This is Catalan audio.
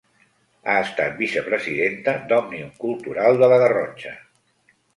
Ha estat vicepresidenta d’Òmnium Cultural de la Garrotxa.